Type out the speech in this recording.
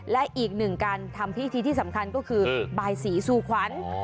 และอีกหนึ่งการทำพิธีที่สำคัญก็คือบายสีสู่ขวัญ